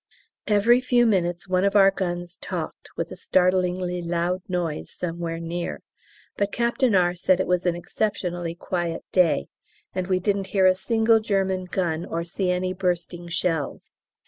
Every few minutes one of our guns talked with a startlingly loud noise somewhere near, but Captain R. said it was an exceptionally quiet day, and we didn't hear a single German gun or see any bursting shells.